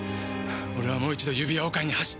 俺はもう一度指輪を買いに走った。